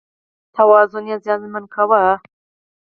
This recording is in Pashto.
توازن یې زیانمن کاوه.